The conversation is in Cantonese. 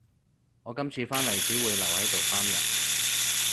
我今次返嚟只會留喺度三日